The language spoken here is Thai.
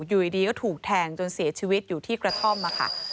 อยู่ดีก็ถูกแทงจนเสียชีวิตอยู่ที่กระท่อมค่ะ